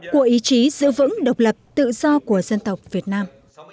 của ý chí giữ vững độc lập tự do của dân tộc việt nam